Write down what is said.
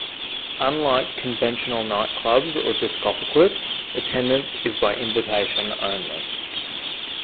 Unlike conventional nightclubs or discotheques, attendance is by invitation only.